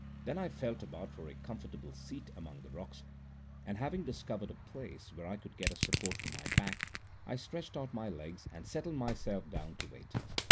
Then I felt about for a comfortable seat among the rocks, and, having discovered a place where I could get a support for my back, I stretched out my legs and settled myself down to wait.